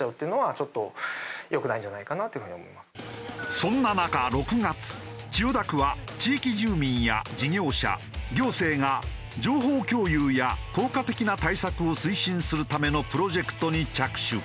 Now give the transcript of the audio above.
そんな中６月千代田区は地域住民や事業者行政が情報共有や効果的な対策を推進するためのプロジェクトに着手。